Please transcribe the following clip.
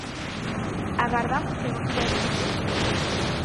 Agardamos que gostedes!